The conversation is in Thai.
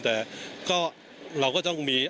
แต่ก็เราก็ต้องมี